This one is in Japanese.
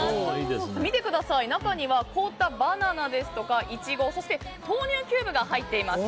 見てください中には凍ったバナナですとかイチゴ、そして豆乳キューブが入っています。